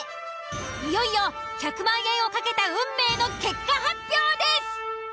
いよいよ１００万円を懸けた運命の結果発表です。